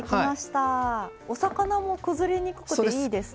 お魚も崩れにくくていいですね。